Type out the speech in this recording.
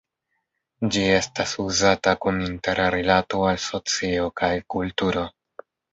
Ĝi estas uzata kun interrilato al socio kaj kulturo.